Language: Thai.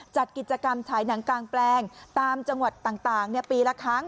จัดกิจกรรมฉายหนังกางแปลงตามจังหวัดต่างปีละครั้ง